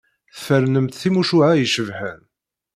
Tfernemt timucuha icebḥen.